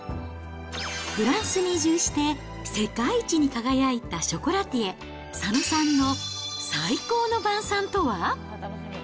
フランスに移住して、世界一に輝いたショコラティエ、佐野さんの最高の晩さんとは。